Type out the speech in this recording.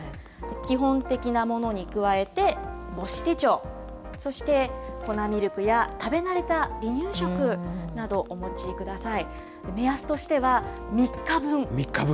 基本的なものに加えて、母子手帳、そして、粉ミルクや食べなれた離乳食など、お持ちください。